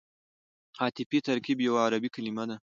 عطفي ترکیب یوه عربي کلیمه ده.